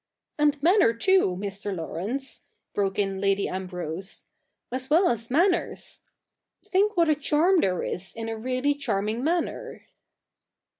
'And manner too. Mr. Laurence," broke in Lady Ambrose, 'as well as manners Think what a charm there is in a really charming manner.'